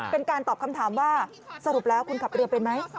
เป็นการตอบคำถามว่าสรุปแล้วคุณขับเรือเป็นไหม